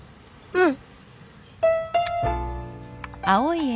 うん。